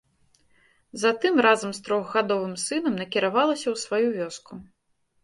Затым разам з трохгадовым сынам накіравалася ў сваю вёску.